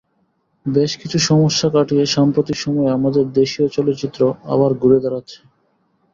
বেশ কিছু সমস্যা কাটিয়ে সাম্প্রতিক সময়ে আমাদের দেশীয় চলচ্চিত্র আবার ঘুরে দাঁড়াচ্ছে।